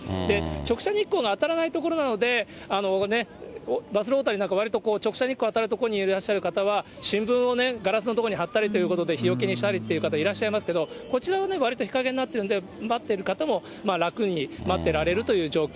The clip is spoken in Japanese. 直射日光が当たらない所なので、バスロータリーなんか、直射日光当たる所にいらっしゃる方は、新聞をね、ガラスの所に張ったりということで、日よけにしたりという方いらっしゃいますけど、こちらは、わりと日陰になっているので、待っている方も楽に待ってられるという状況。